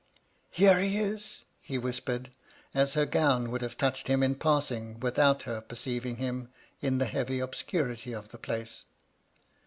"^ Here he is,* he whispered, as her gown would have touched him in passing, without her perceiving him, in the heavy obscurity of the place.